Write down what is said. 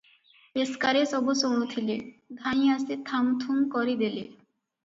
ପେସ୍କାରେ ସବୁ ଶୁଣୁଥିଲେ, ଧାଇଁ ଆସି ଥାମ ଥୁମ କରି ଦେଲେ ।